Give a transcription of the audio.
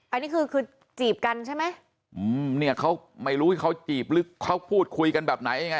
อันนี้คือคือจีบกันใช่ไหมอืมเนี่ยเขาไม่รู้เขาจีบหรือเขาพูดคุยกันแบบไหนยังไง